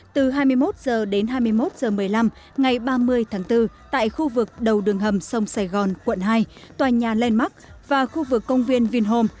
từ hai mươi một h đến hai mươi một h một mươi năm ngày ba mươi tháng bốn tại khu vực đầu đường hầm sông sài gòn quận hai tòa nhà landmark và khu vực công viên vinhome